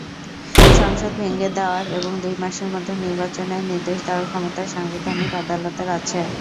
সংসদ ভেঙে দেওয়ার এবং দুই মাসের মধ্যে নির্বাচনের নির্দেশ দেওয়ার ক্ষমতা সাংবিধানিক আদালতের আছে।